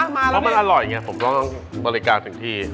เพราะมันอร่อยไงผมต้องบริการถึงที่